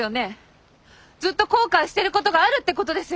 ずっと後悔してることがあるってことですよね？